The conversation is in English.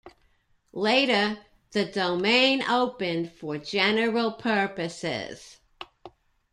Later, the domain opened for general purposes.